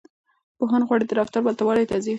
پوهان غواړي د رفتار ورته والی توضيح کړي.